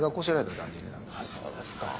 そうですか。